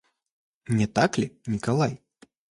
Не так ли, Николай?